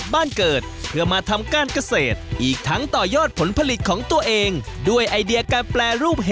๓หมื่นถึง๕หมื่นบาทครับ